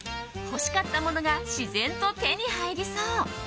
欲しかったものが自然と手に入りそう。